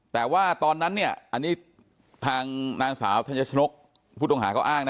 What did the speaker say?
แต่ว่าตอนนั้นเนี่ยอันนี้ทางนางสาวธัญชนกผู้ต้องหาเขาอ้างนะ